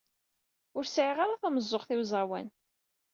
Ur sɛiɣ ara tameẓẓuɣt i uẓawan.